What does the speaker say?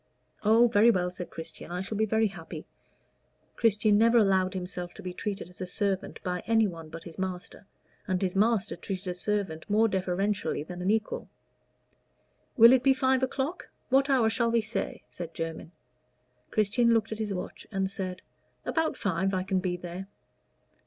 "Oh, very well," said Christian. "I shall be very happy." Christian never allowed himself to be treated as a servant by anyone but his master, and his master treated a servant more deferentially than an equal. "Will it be five o'clock? what hour shall we say?" said Jermyn. Christian looked at his watch and said, "About five I can be there."